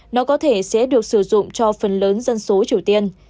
nó có thể sẽ được sử dụng cho phần lớn dân số triều tiên